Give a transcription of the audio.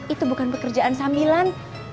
itu bukan pekerjaan sambilan